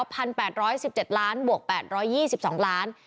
๑๘๑๗ล้านบาทบวก๘๒๒ล้านบาท